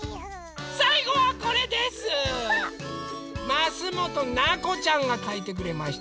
ますもとなこちゃんがかいてくれました。